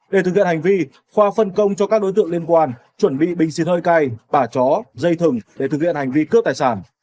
để thực hiện hành vi khoa phân công cho các đối tượng liên quan chuẩn bị bình xịt hơi cay bả chó dây thừng để thực hiện hành vi cướp tài sản